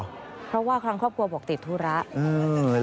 เพราะว่าทางครอบครัวบอกติดธุระ